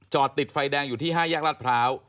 ติดไฟแดงอยู่ที่๕แยกรัฐพร้าว